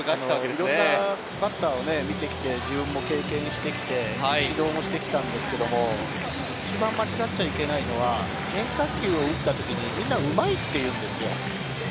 いろんなバッターを見て来て経験してきて指導もしてきたんですけれども、一番間違っちゃいけないのは、変化球を打ったときにみんなうまいって言うんですよ。